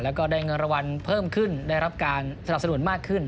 แล้วก็ได้เงินรางวัลเพิ่มขึ้นได้รับการสนับสนุนมากขึ้น